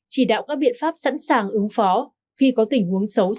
chỉ đạo các biện pháp sẵn sàng ứng phó khi có tình huống xấu xảy ra